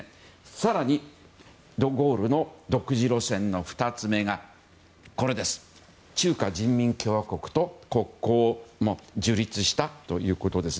更にド・ゴールの独自路線の２つ目が中華人民共和国と国交を樹立したということです。